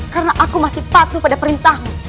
karena aku masih patuh pada perintahmu